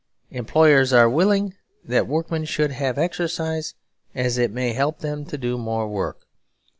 Employers are willing that workmen should have exercise, as it may help them to do more work.